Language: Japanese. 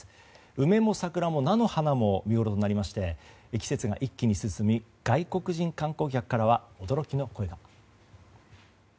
梅も桜も菜の花も見ごろになりまして季節が一気に進み外国人観光客からは驚きの声が。